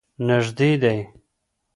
نږدې دی.